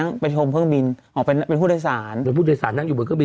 นั่งอยู่บนเครื่องบินโอ้วนั่งอยู่บนเครื่องบิน